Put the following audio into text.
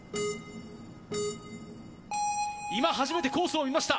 今、初めてコースを見ました。